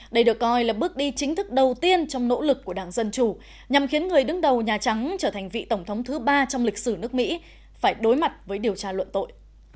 đây được coi là bước đi chính thức đầu tiên trong nỗ lực của đảng dân chủ nhằm khiến người đứng đầu nhà trắng trở thành vị tổng thống thứ ba trong lịch sử nước mỹ phải đối mặt với điều tra luận tội